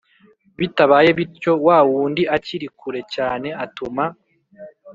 Bitabaye bityo wa wundi akiri kure cyane atuma